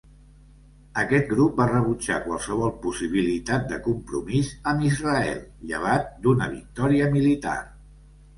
Aquest grup va rebutjar qualsevol possibilitat de compromís amb Israel, llevat d'una victòria militar.